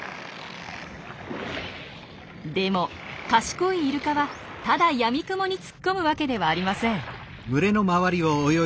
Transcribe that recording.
でも賢いイルカはただやみくもに突っ込むわけではありません。